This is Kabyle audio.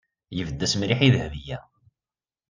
Yebded-as mliḥ i Dahbiya.